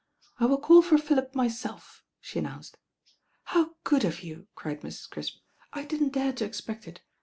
"I wUl call for Philip myself," she announced. "How good of you," cried Mrs. Crisp. "I didn't dare to expect it.